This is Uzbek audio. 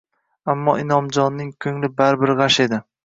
Ammo, Inomjonning ko`ngli baribir g`ash edi